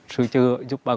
sự chữa giúp bà con